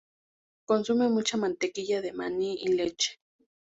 Consume mucha mantequilla de maní y leche.